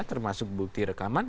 termasuk bukti rekaman